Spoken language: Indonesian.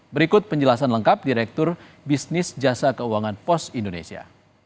berikut penjelasan lengkap direktur bisnis jasa keuangan pos indonesia